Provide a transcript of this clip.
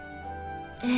ええ。